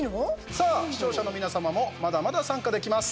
さあ、視聴者の皆様もまだまだ参加できます。